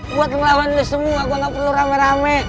gue kenalanin lo semua gue gak perlu rame rame